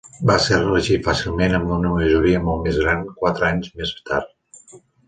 Va ser reelegit fàcilment amb una majoria molt més gran quatre anys més tard.